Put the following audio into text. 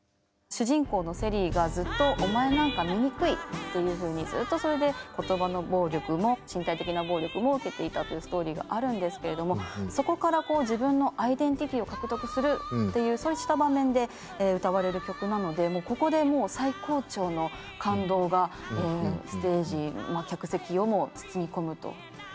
主人公のセリーがずっと「お前なんか醜い」っていうふうにずっとそれで言葉の暴力も身体的な暴力も受けていたというストーリーがあるんですけれどもそこから自分のアイデンティティーを獲得するっていうそうした場面で歌われる曲なのでここでもう最高潮の感動がステージ客席をも包み込むと。